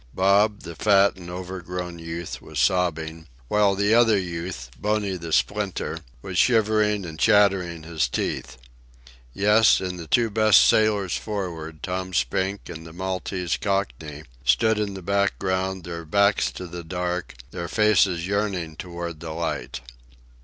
Bob, the fat and overgrown youth, was sobbing, while the other youth, Bony the Splinter, was shivering and chattering his teeth. Yes, and the two best sailors for'ard, Tom Spink and the Maltese Cockney, stood in the background, their backs to the dark, their faces yearning toward the light.